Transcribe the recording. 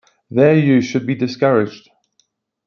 Their use should be discouraged.